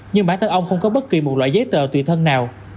nhưng bản thân ông không có bất kỳ một loại giấy tờ tùy thân nào